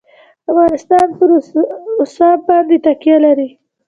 افغانستان په رسوب باندې تکیه لري.